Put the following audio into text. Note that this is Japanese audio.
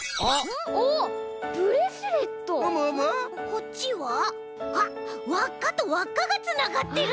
こっちはあっわっかとわっかがつながってる！